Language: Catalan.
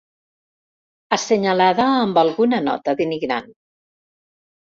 Assenyalada amb alguna nota denigrant.